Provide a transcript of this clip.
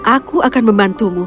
aku akan membantumu